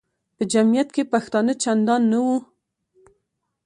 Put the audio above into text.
په جمیعت کې پښتانه چندان نه وو.